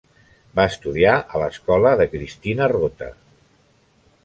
Va estudiar en l'escola de Cristina Rota.